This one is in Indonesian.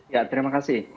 ya terima kasih